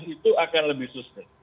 itu akan lebih susten